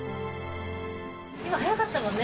今速かったもんね。